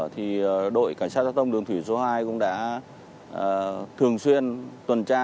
thì đội cảnh sát giao thông đường thủy số hai cũng đã thường xuyên tuần tra